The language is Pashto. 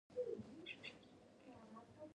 یوازي